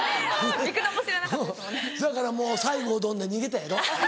そやからもう「西郷どん」で逃げたやろ。